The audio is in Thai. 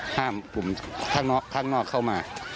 ห้ามกลุ่มข้างนอกเข้ามา